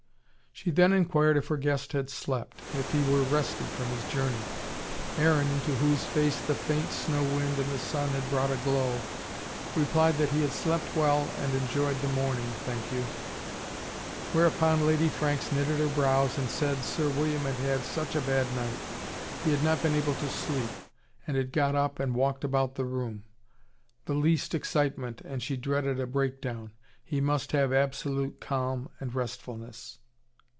She then enquired if her guest had slept, and if he were rested from his journey. Aaron, into whose face the faint snow wind and the sun had brought a glow, replied that he had slept well and enjoyed the morning, thank you. Whereupon Lady Franks knitted her brows and said Sir William had had such a bad night. He had not been able to sleep, and had got up and walked about the room. The least excitement, and she dreaded a break down. He must have absolute calm and restfulness.